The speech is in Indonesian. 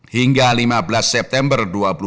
hingga lima belas september dua ribu dua puluh